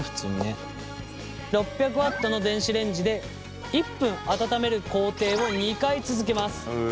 ６００Ｗの電子レンジで１分温める工程を２回続けます。